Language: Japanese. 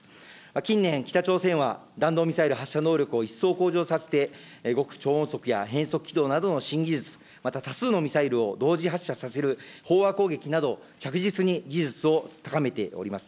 近年、北朝鮮は弾道ミサイル発射能力を一層向上させて、極超音速や変則軌道などの新技術、また多数のミサイルを同時発射させる飽和攻撃など、着実に技術を高めております。